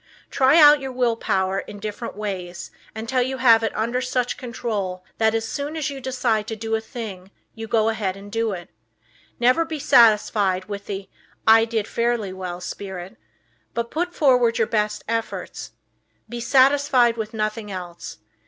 Try out your Will Power in different ways until you have it under such control that just as soon as you decide to do a thing you go ahead and do it. Never be satisfied with the "I did fairly well" spirit, but put forward your best efforts. Be satisfied with nothing else.